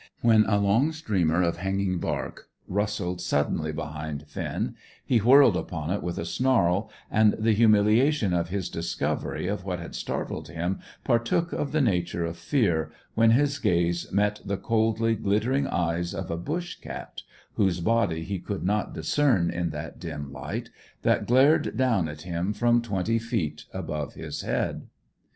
When a long streamer of hanging bark rustled suddenly behind Finn, he wheeled upon it with a snarl; and the humiliation of his discovery of what had startled him partook of the nature of fear, when his gaze met the coldly glittering eyes of a bush cat (whose body he could not discern in that dim light) that glared down at him from twenty feet above his head.